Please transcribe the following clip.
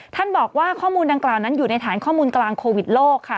ท่านบอกว่าข้อมูลดังกล่าวนั้นอยู่ในฐานข้อมูลกลางโควิดโลกค่ะ